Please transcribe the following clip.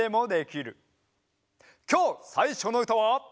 きょうさいしょのうたは。